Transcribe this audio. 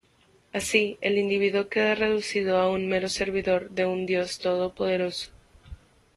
Así, el individuo queda reducido a un mero servidor de un dios todopoderoso.